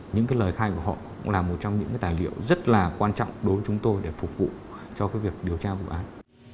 những cái lời khai của họ cũng là một trong những tài liệu rất là quan trọng đối với chúng tôi để phục vụ cho việc điều tra vụ án